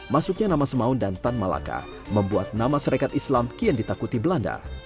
masuknya nama semarang dan tanmalaka membuat nama sarekat islam kian ditakuti belanda